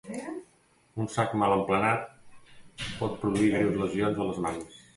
Un sac mal emplenat pot produir greus lesions a les mans.